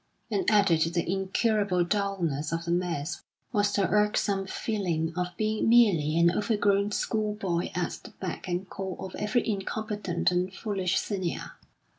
And added to the incurable dulness of the mess was the irksome feeling of being merely an overgrown schoolboy at the beck and call of every incompetent and foolish senior.